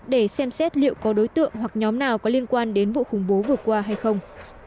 để xem xét liệu có đối tượng hoặc nhóm nào có liên quan đến vụ khủng bố vừa qua hay không